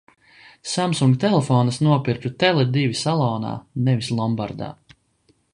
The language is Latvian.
Samsung telefonu es nopirku "Tele divi" salonā nevis lombardā.